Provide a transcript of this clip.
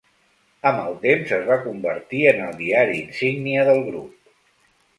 Amb el temps, es va convertir en el diari insígnia del grup.